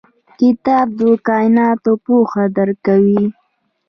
کتاب د کایناتو پوهه درکوي.